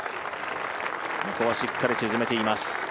ここはしっかり沈めています。